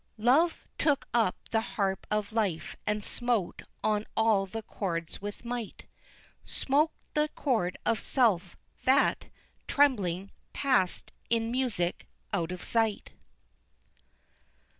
"Love took up the harp of life and smote on all the chords with might; Smote the chord of self, that, trembling, passed in music out of sight."